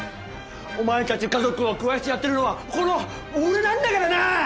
お前たち家族を食わしてやってるのはこの俺なんだからな！